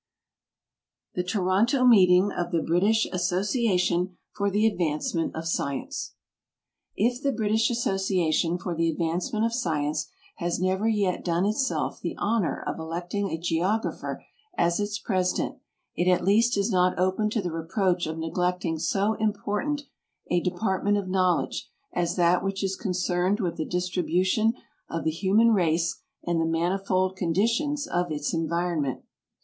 THE TORONTO MEETING OF THE BRITISH ASSOCI ATION FOR THE ADVANCEMENT OF SCIENCE If the British Association for the Advancement of Science has never yet done itself the honor of electing a geographer as its President, it at least is not open to the reproach of neglecting so important a department of knowledge as that which is con cerned with the distribution of the human race and the manifold conditions of its environment.